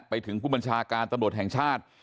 ไปถึงผู้บัญชาการตำรวจแห่งชาติ